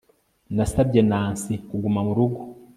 Nasabye Nancy kuguma murugo